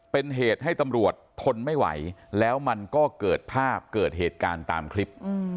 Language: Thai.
เป็นเหตุให้ตำรวจทนไม่ไหวแล้วมันก็เกิดภาพเกิดเหตุการณ์ตามคลิป